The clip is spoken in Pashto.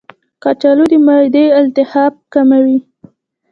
کچالو د معدې التهاب کموي.